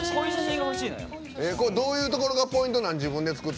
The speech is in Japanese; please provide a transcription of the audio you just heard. どういうところがポイントなん？